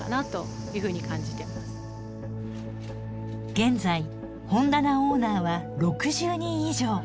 現在本棚オーナーは６０人以上。